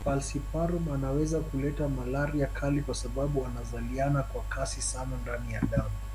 Falciparum anaweza kuleta malaria kali kwa sababu anazaliana kwa kasi sana ndani ya damu